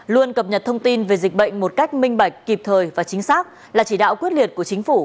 luôn cập nhật thông tin về dịch bệnh một cách minh bạch kịp thời và chính xác là chỉ đạo quyết liệt của chính phủ